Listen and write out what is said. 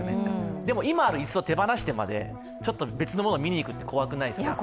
でも今ある椅子を手放してまで別のものを見にいくって怖いじゃないですか。